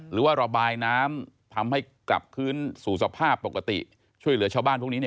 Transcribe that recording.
หรือว่าระบายน้ำทำให้กลับคืนสู่สภาพปกติช่วยเหลือชาวบ้านพวกนี้